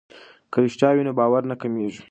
که رښتیا وي نو باور نه کمیږي.